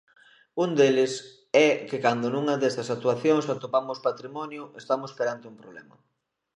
Un deles é que cando nunha desas actuacións atopamos patrimonio estamos perante un problema.